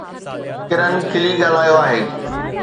ڪرن کلي ڳالهايو آهي